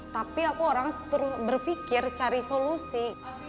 tapi aku orangnya berpikir cari solusi